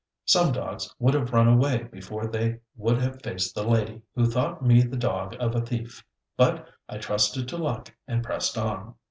Some dogs would have run away before they would have faced the lady who thought me the dog of a thief, but I trusted to luck and pressed on.